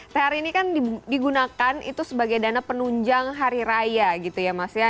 thr ini kan digunakan itu sebagai dana penunjang hari raya gitu ya mas ya